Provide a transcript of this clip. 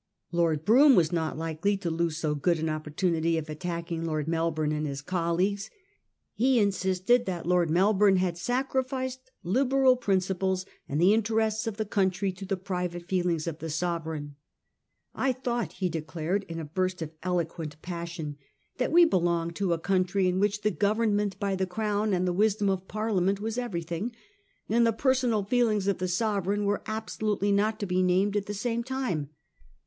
Lord Brougham was not likely to lose so good an opportunity of attacking Lord Melbourne and his colleagues. He insisted that Lord Melbourne had sacrificed Liberal principles and the interests of the country to the private feelings of the Sovereign. ' I thought,' he declared in a burst of eloquent passion, ' that we belonged to a country in which the govern ment by the Crown and the wisdom of Parliament was everything, and the personal feelings of the Sovereign were absolutely not to be named at the same time.